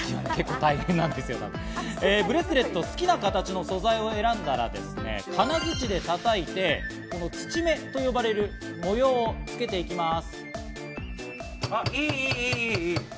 ブレスレット、好きな形の素材を選んだら金槌で叩いて、槌目という呼ばれる模様をつけていきます。